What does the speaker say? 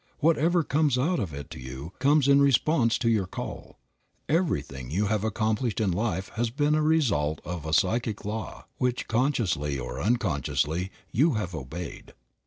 Whatever comes out of it to you comes in response to your call. Everything you have accomplished in life has been a result of a psychic law which, consciously or unconsciously, you have obeyed.